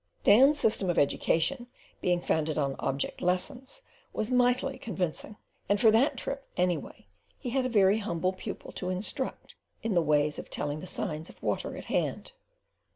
Dan's system of education, being founded on object lessons, was mightily convincing; and for that trip, anyway, he had a very humble pupil to instruct in the "ways of telling the signs of water at hand."